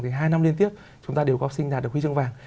thì hai năm liên tiếp chúng ta đều có học sinh đạt được huy chương vàng